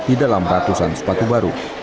di dalam ratusan sepatu baru